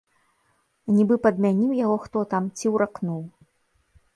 Нібы падмяніў яго хто там ці ўракнуў.